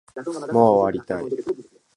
もう終わりたい